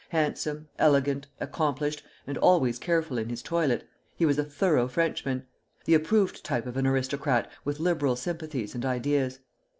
Handsome, elegant, accomplished, and always careful in his toilet, he was a thorough Frenchman, the approved type of an aristocrat with liberal sympathies and ideas.